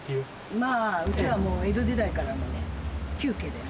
まあ、うちはもう江戸時代からの旧家でね。